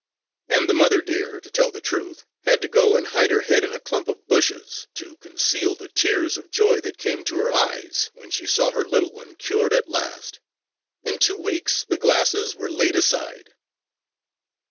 And the mother deer, to tell the truth, had to go and hide her head in a clump of bushes to conceal the tears of joy that came to her eyes when she saw her little one cured at last. In two weeks, the glasses were laid aside.